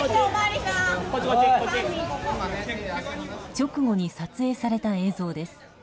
直後に撮影された映像です。